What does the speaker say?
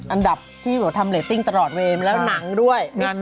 อันดับที่ทำเรตติ้งตลอดเวมแล้วหนังด้วย